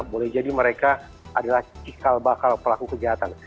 boleh jadi mereka adalah cikal bakal pelaku kejahatan